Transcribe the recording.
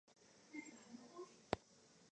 这些宝石比起一般宝石具有特殊能力。